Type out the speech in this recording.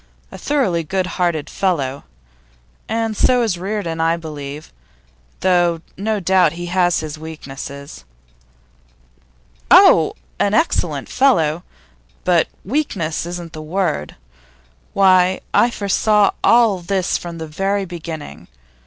A thoroughly good hearted fellow. And so is Reardon, I believe, though no doubt he has his weaknesses.' 'Oh, an excellent fellow! But weakness isn't the word. Why, I foresaw all this from the very beginning.